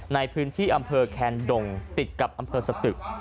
ในพื้นที่อำเภอแคนดงติดกับอำเภอสตึก